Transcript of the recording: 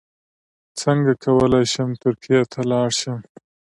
څنګه کولی شم ترکیې ته لاړ شم